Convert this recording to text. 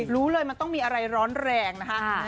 รู้เลยมันต้องมีอะไรร้อนแรงนะคะ